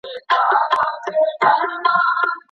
که د کار په ځای کي اسانتیاوې وي، نو کارمندان نه ستړي کیږي.